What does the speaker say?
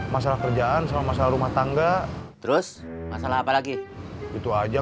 masalah kerjaan sama masalah rumah tangga terus masalah apa lagi itu aja